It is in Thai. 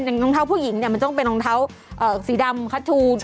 รองเท้าผู้หญิงเนี่ยมันต้องเป็นรองเท้าสีดำคัททู